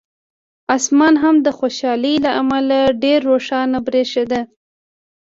اسمان هم د خوشالۍ له امله ډېر روښانه برېښېده.